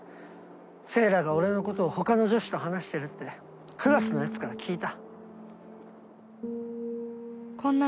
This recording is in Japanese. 聖羅が俺のことを他の女子と話してるってクラスのやつから聞いた。